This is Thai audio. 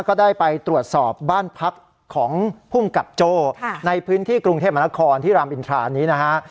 ก็ได้ไปตรวจสอบบ้านพักของภูมิกับโจ้ในพื้นที่กรุงเทพมนาคมที่รามอินทรานี้นะฮะ